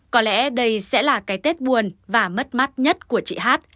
có lẽ đây sẽ là cái tết buồn và mất mắt nhất của chị hát